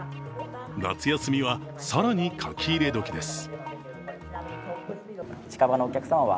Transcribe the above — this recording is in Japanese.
夏休みは更に書き入れ時です。